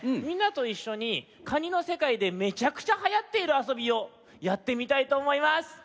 みんなといっしょにカニのせかいでめちゃくちゃはやっているあそびをやってみたいとおもいます。